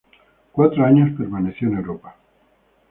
Cuatro años permaneció en Europa.